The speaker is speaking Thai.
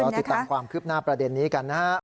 ติดตามความคืบหน้าประเด็นนี้กันนะครับ